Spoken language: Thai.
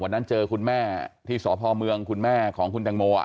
เจอคุณแม่ที่สพเมืองคุณแม่ของคุณแตงโม